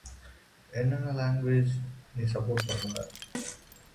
With "We Come To Party" feat.